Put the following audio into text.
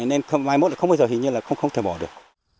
nên mai mốt không bao giờ hình như là không thể bỏ được